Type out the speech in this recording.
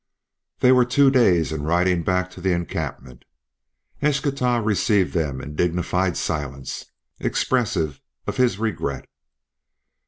They were two days in riding back to the encampment. Eschtah received them in dignified silence, expressive of his regret.